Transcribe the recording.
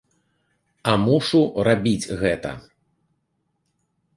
А мушу рабіць гэта.